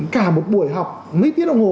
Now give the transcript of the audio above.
cả một buổi học mấy tiếng đồng hồ